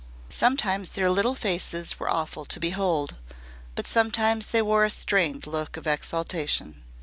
Sometimes their little faces were awful to behold, but sometimes they wore a strained look of exaltation.